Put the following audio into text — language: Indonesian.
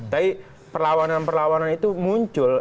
tapi perlawanan perlawanan itu muncul